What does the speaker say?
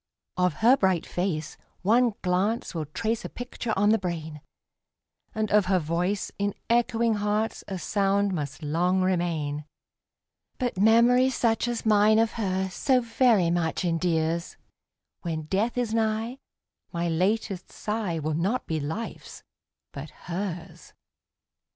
Of her bright face one glance will trace a picture on the brain, And of her voice in echoing hearts a sound must long remain; But memory such as mine of her so very much endears, When death is nigh my latest sigh will not be life's but hers.